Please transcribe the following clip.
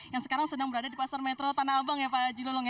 yang sekarang sedang berada di pasar metro tanah abang ya pak haji lulung ya